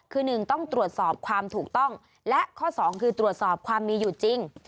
คือหนึ่งต้องตรวจสอบความถูกต้องและข้อสองคือตรวจสอบความมีอยู่จริง